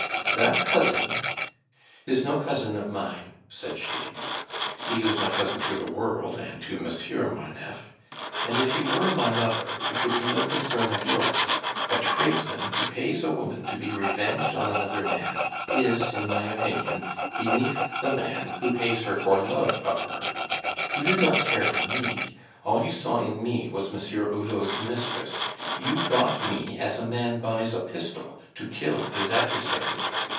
"That cousin " "Is no cousin of mine," said she. "He is my cousin to the world and to Monsieur Marneffe. And if he were my lover, it would be no concern of yours. A tradesman who pays a woman to be revenged on another man, is, in my opinion, beneath the man who pays her for love of her. You did not care for me; all you saw in me was Monsieur Hulot's mistress. You bought me as a man buys a pistol to kill his adversary.